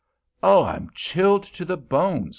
"Oh, I am chilled to the bones!"